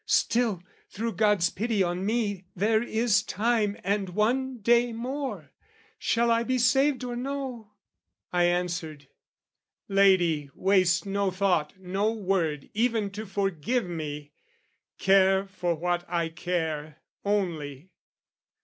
"Still, through God's pity on me, there is time "And one day more: shall I be saved or no?" I answered "Lady, waste no thought, no word "Even to forgive me! Care for what I care "Only!